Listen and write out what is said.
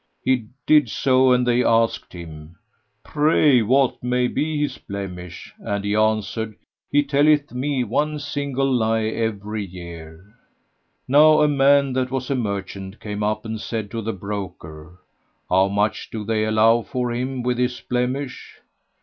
He did so and they asked him, "Pray, what may be his blemish?" and he answered, "He telleth me one single lie every year." Now a man that was a merchant came up and said to the broker, "How much do they allow for him with his blemish?"